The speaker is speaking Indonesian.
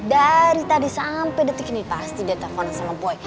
dari tadi sampai detik ini pasti dia telpon sama boy